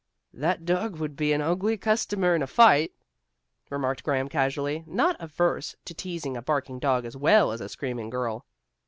"That dog would be an ugly customer in a fight," remarked Graham casually, not averse to teasing a barking dog as well as a screaming girl.